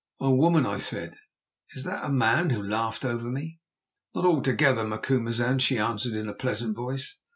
"O woman," I said, "is that a man who laughed over me?" "Not altogether, Macumazahn," she answered in a pleasant voice.